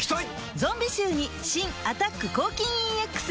ゾンビ臭に新「アタック抗菌ＥＸ」